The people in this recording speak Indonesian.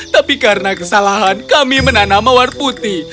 tapi karena kesalahan kami menanam mawar putih